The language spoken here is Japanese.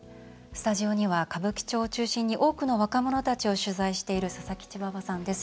スタジオには歌舞伎町を中心に多くの若者たちを取材している佐々木チワワさんです。